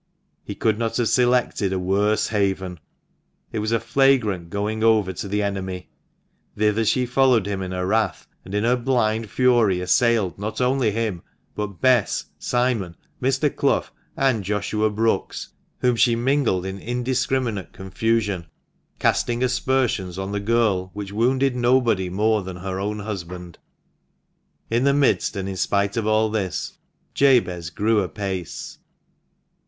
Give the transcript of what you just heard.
He could not have selected a worse haven. It was a flagrant going over to the enemy. Thither she followed him in her wrath, and in her blind fury assailed not only him, but Bess, Simon, Mr. Clough, and Joshua Brookes, whom she mingled in indiscriminate confusion, casting aspersions on the girl, which wounded nobody more than her own husband. In the midst and in spite of all this, Jabez grew apace.